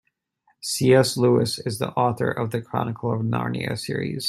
C.S. Lewis is the author of The Chronicles of Narnia series.